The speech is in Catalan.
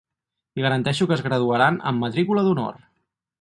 I garanteixo que es graduaran amb matrícula d'honor!